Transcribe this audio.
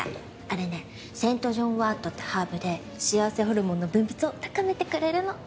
あれねセントジョーンズワートってハーブで幸せホルモンの分泌を高めてくれるの。